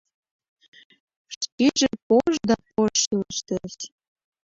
Шкеже пож да пож шӱлештеш.